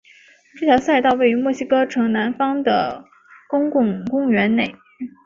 这条赛道位于墨西哥城南方的的公共公园内。